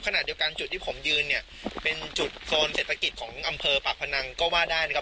ขณะเดียวกันจุดที่ผมยืนเนี่ยเป็นจุดโซนเศรษฐกิจของอำเภอปากพนังก็ว่าได้นะครับ